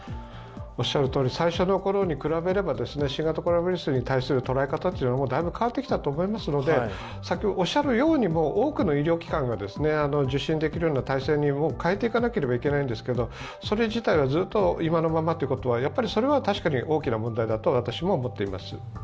最初のころに比べれば新型コロナウイルスに対する捉え方は大分変わってきたと思いますので、おっしゃるように多くの医療機関が受診できるような体制にもう変えていかなければいけないんですけれどもそれ自体は今のままというのは、確かに大きな問題だと私も思っています。